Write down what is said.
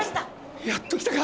やっと来たか。